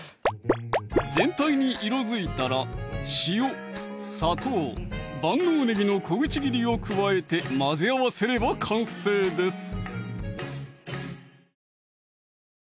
全体に色づいたら塩・砂糖・万能ねぎの小口切りを加えて混ぜ合わせれば完成です